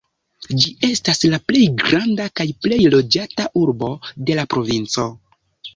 Ĝi estas la plej granda kaj plej loĝata urbo de la provinco.